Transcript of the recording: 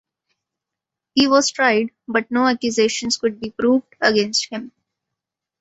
He was tried but no accusations could be proved against him.